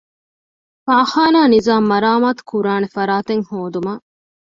ފާޚާނާ ނިޒާމު މަރާމާތުކުރާނެ ފަރާތެއް ހޯދުމަށް